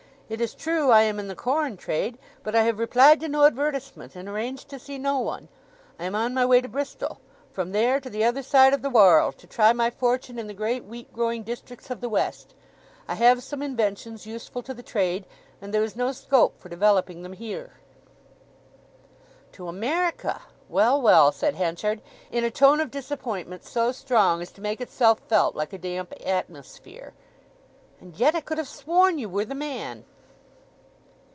It is true I am in the corren trade—but I have replied to no advertisement, and arranged to see no one. I am on my way to Bristol—from there to the other side of the warrld, to try my fortune in the great wheat growing districts of the West! I have some inventions useful to the trade, and there is no scope for developing them heere." "To America—well, well," said Henchard, in a tone of disappointment, so strong as to make itself felt like a damp atmosphere. "And yet I could have sworn you were the man!"